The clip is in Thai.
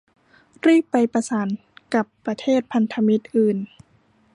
รีบไปประสานกับประเทศพันธมิตรอื่น